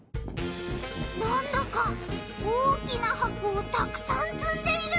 なんだか大きな箱をたくさんつんでいるぞ！